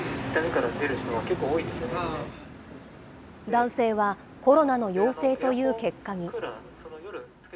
男性はコロナの陽性という結果に。